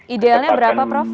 idealnya berapa prof